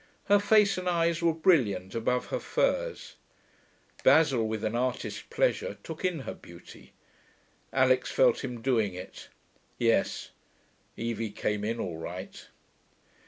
Her face and eyes were brilliant above her furs. Basil, with an artist's pleasure, took in her beauty; Alix felt him doing it. Yes, Evie came in all right.